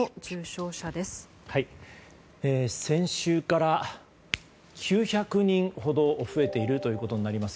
先週から９００人ほど増えているということになります。